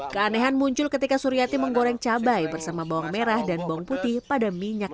keanehan muncul ketika suryati menggoreng cabai bersama bawang merah dan bawang putih pada minyak